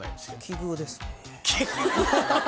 奇遇ですね。